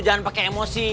jangan pakai emosi